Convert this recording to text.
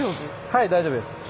はい大丈夫です。